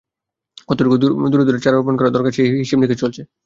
কতটুকু দূরে দূরে চারা রোপণ করা দরকার সেই হিসেব নিকেশ চলছে।